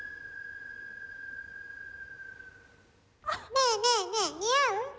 ねえねえねえ似合う？